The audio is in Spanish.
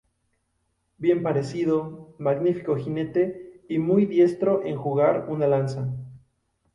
Bien parecido, magnífico jinete, y muy diestro en jugar una lanza.